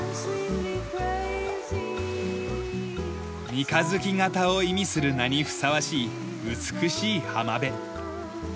「三日月形」を意味する名にふさわしい美しい浜辺。